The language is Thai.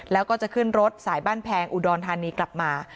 แล้วก็จะขึ้นรถสายบ้านแพงอุดรธานีกลับมา